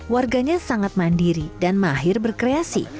warganya sangat mandiri dan mahir berkreasi